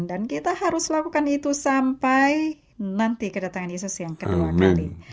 dan kita harus lakukan itu sampai nanti kedatangan yesus yang kedua kali